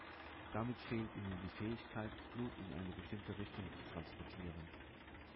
Damit fehlt ihnen die Fähigkeit, Blut in eine bestimmte Richtung zu transportieren.